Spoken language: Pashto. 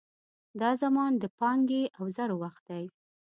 دا زمان د پانګې او د زرو وخت دی.